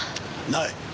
ない。